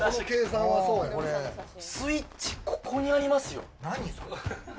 スイッチ、ここにありますよ。